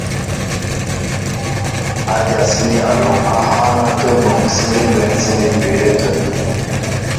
Adyasíní alɔŋ á hááŋ átə bɔŋ síní bɛ̌n síní bʉʉyɛ́ tə̂.